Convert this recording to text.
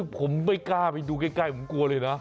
ผมไม่กล้าไปดูใกล้ผมกลัวเลยนะ